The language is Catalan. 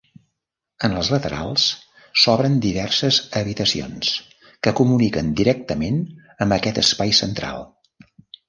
En els laterals s’obren diverses habitacions que comuniquen directament amb aquest espai central.